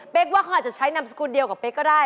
กว่าเขาอาจจะใช้นามสกุลเดียวกับเป๊กก็ได้